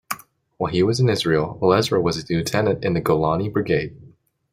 While he was in Israel, Elezra was a lieutenant in the Golani Brigade.